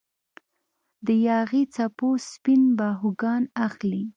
د یاغي څپو سپین باهوګان اخلي